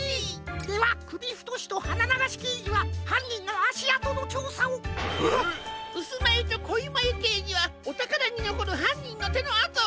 ではくびふとしとはなながしけいじははんにんのあしあとのちょうさを！えっ！うすまゆとこいまゆけいじはおたからにのこるはんにんのてのあとを！